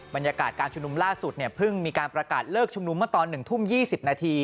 บรรยากาศการชุมนุมล่าสุดเนี่ยเพิ่งมีการประกาศเลิกชุมนุมเมื่อตอน๑ทุ่ม๒๐นาที